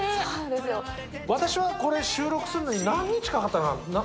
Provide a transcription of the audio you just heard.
私はこれ、収録するのに何日かかったかな？